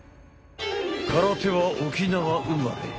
空手は沖縄生まれ。